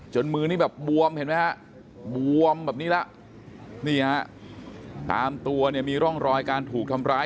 จนมือนี่แบบบวมเห็นมั้ยฮะบวมแบบนี่ล่ะตามตัวมีร่องรอยการถูกทำร้าย